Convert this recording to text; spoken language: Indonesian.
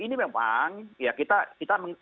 ini memang ya kita